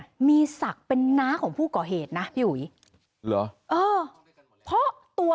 เริงเนี่ยมีสักเป็นน้าของผู้ก่อเหตุนะพี่ฮุย๒๐๒๐